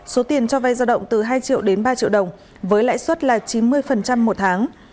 số tiền cho vay giao động từ hai triệu đến ba triệu đồng với lãi suất là chín mươi một tháng